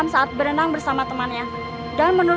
rawatlah pemberianku ini